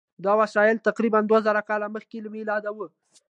دا وسیله تقریبآ دوه زره کاله مخکې له میلاده وه.